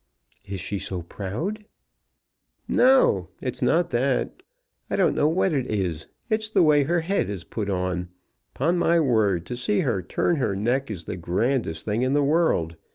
"Is she so proud?" "No; it's not that. I don't know what it is. It's the way her head is put on. Upon my word, to see her turn her neck is the grandest thing in the world.